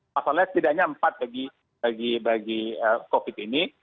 masalahnya bedanya empat bagi covid ini